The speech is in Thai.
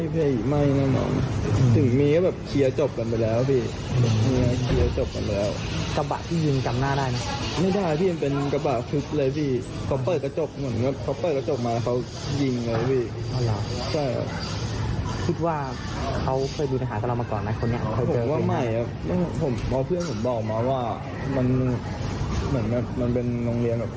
หมอบกตั้งหมดเลยคิดว่าเป็นวิวผิดตัวอย่างนี้หรอ